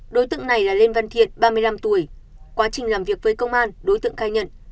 đối tượng này là lê văn thiện ba mươi năm tuổi quá trình làm việc với công an đối tượng khai nhận